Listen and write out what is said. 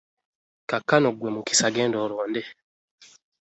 Kakano gwe Mukisa genda olonde.